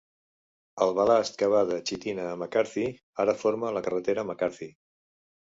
El balast que va de Chitina a McCarthy ara forma la carretera McCarthy.